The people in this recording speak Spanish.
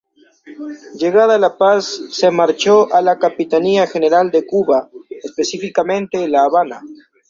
Llegada la paz, se marchó a la Capitanía General de Cuba específicamente La Habana.